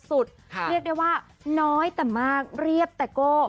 เรียกได้ว่าน้อยแต่มากเรียบแต่โก้